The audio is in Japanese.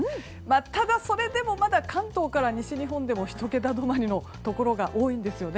ただ、それでもまだ関東から西日本でも１桁止まりのところが多いんですよね。